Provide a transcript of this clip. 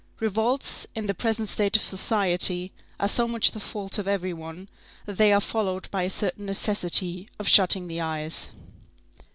Revolts, in the present state of society, are so much the fault of every one, that they are followed by a certain necessity of shutting the eyes.